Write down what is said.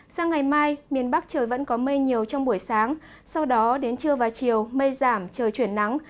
sang ngày mai miền bắc trời vẫn có mây nhiều trong buổi sáng sau đó đến trưa và chiều mây giảm trời chuyển nắng